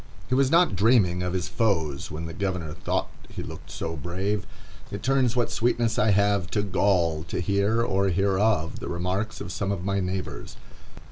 He was not dreaming of his foes when the governor thought he looked so brave. It turns what sweetness I have to gall, to hear, or hear of, the remarks of some of my neighbors.